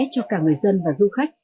cho cả người dân và du khách